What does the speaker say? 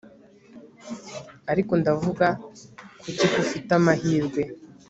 ariko ndavuga kuki ko ufite amahirwe